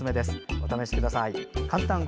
お試しください。